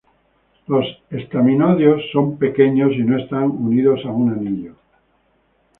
Los estaminodios son pequeños y no están unido a un anillo.